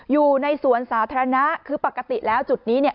อยู่ในสวนสาธารณะคือปกติแล้วจุดนี้เนี่ย